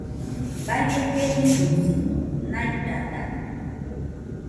Baie keniguisɨmo naidadatɨo